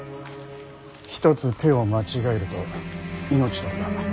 一つ手を間違えると命取りだ。